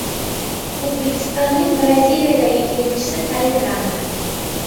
O‘zbekistonning Braziliyadagi elchisi tayinlandi